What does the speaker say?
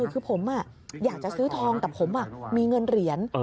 คือผมอยากจะซื้อทองแต่ผมมีเงินเหรียญ